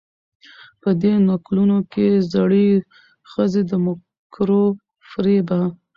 په دې نکلونو کې زړې ښځې د مکرو و فرېبه